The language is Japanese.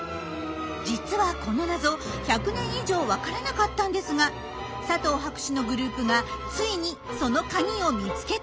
実はこの謎１００年以上分からなかったんですが佐藤博士のグループがついにそのカギを見つけたんです。